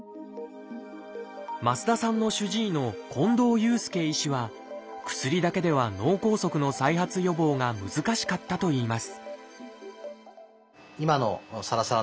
増田さんの主治医の近藤祐介医師は薬だけでは脳梗塞の再発予防が難しかったといいます